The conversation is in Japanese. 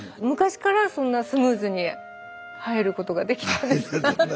昔からそんなスムーズに入ることができたんですか？